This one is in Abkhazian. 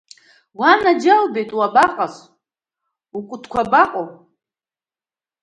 Уанаџьалбеит, уабаҟаз, укәытқәа абаҟоу?